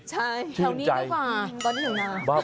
ใช่แถวนี้ก็ได้ถึงน้ำ